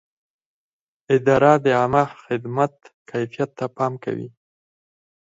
اداره د عامه خدمت کیفیت ته پام کوي.